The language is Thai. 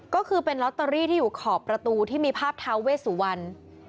ก็คือเป็นลอตเตอรี่ที่อยู่ขอบประตูที่มีภาพท้าเวสุวรรณ